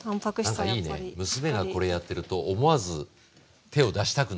なんかいいね娘がこれやってると思わず手を出したくなる。